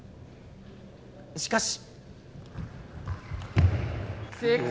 しかし。